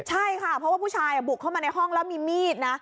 ใช่ค่ะเพราะว่าผู้ชายบุกเข้ามาในห้องแล้วมีมีดนะ